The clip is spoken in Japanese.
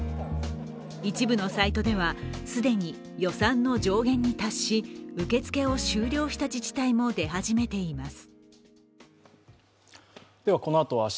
一部のサイトでは既に予算の上限に達し、受け付けを終了した自治体も出始めています。